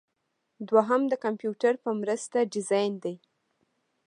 دوهم د کمپیوټر په مرسته ډیزاین دی.